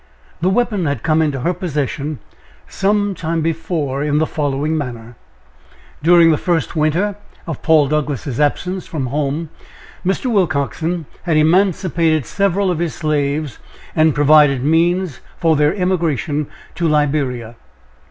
The weapon had come into her possession some time before in the following manner: During the first winter of Paul Douglass' absence from home, Mr. Willcoxen had emancipated several of his slaves and provided means for their emigration to Liberia.